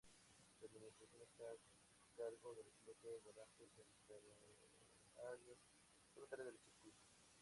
Su administración está a cargo del Club de Volantes Entrerrianos, propietario del circuito.